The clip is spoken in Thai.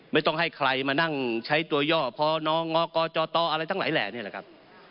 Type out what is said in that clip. ไม่ต้องให้ใครมานั่งใช้ตัวย่อพนงกจตอะไรทั้งหลายแหล่นี่แหละครับ